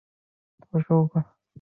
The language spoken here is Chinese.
南克赖。